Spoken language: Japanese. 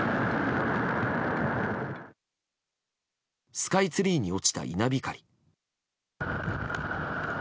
スカイツリーに落ちた稲光。